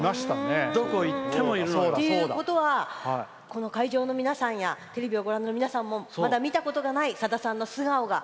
どこいってもいるのよ。ということはこの会場の皆さんやテレビをご覧の皆さんもまだ見たことがないさださんの素顔が。